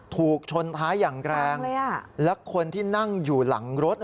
ถูกชนท้ายอย่างแรงและคนที่นั่งอยู่หลังรถ